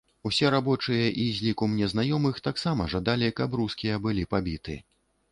Усе рабочыя і з ліку мне знаёмых таксама жадалі, каб рускія былі пабіты.